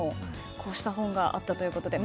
こうした本があったということで。